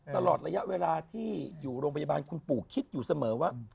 ตลอดระยะเวลาที่อยู่โรงพยาบาลคุณปู่คิดอยู่เสมอว่า